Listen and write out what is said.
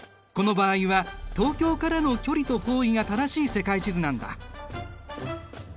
この場合は東京からの距離と方位が正しい世界地図なんだ。